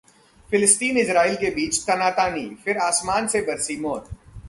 फिलिस्तीन-इजरायल के बीच तनातनी, फिर आसमान से बरसी मौत